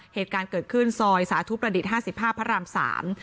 เหตุการณ์เกิดขึ้นซอยสาธุประดิษฐ์๕๕พระราม๓